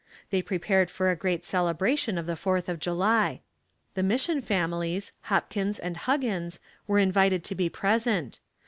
They prepared for a great celebration of the Fourth of July. The mission families, Hopkins and Huggins, were invited to be present.